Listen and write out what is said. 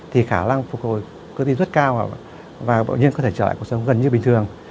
thì khả năng phục hồi cơ tim rất cao và bậu nhiên có thể trở lại cuộc sống gần như bình thường